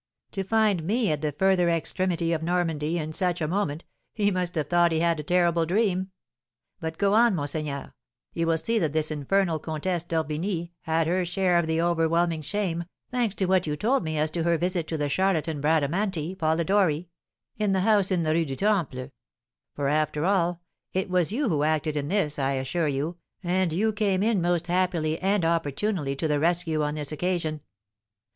To find me at the further extremity of Normandy, in such a moment, he must have thought he had a terrible dream. But go on, monseigneur; you will see that this infernal Comtesse d'Orbigny had her share of the overwhelming shame, thanks to what you told me as to her visit to the charlatan Bradamanti Polidori in the house in the Rue du Temple; for, after all, it was you who acted in this, I assure you, and you came in most happily and opportunely to the rescue on this occasion."